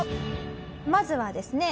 まずはですね